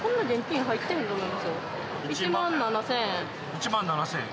１７，０００円？